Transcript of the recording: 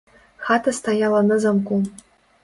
Хата стаяла на замку.